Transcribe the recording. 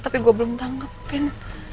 tapi gue belum tanggepin